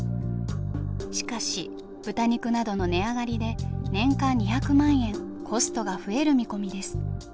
しかし豚肉などの値上がりで年間２００万円コストが増える見込みです。